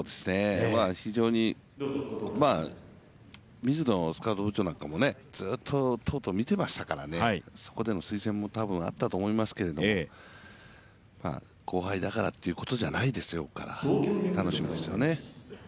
非常に水野スカウト部長なんかもずっと見ていましたからね、そこでの推薦も多分あったと思いますけど後輩だからということではないですよ、楽しみですよね。